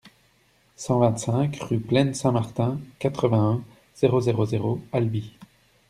cent vingt-cinq rue Plaine Saint-Martin, quatre-vingt-un, zéro zéro zéro, Albi